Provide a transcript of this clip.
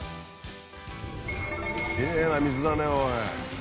きれいな水だねおい。